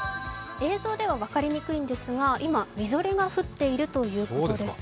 映像では分かりにくいんでずか、今みぞれが降っているということです。